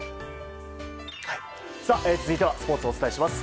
続いてはスポーツお伝えします。